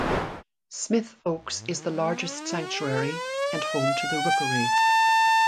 Smith Oaks is the largest sanctuary and home to the Rookery.